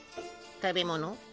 食べ物？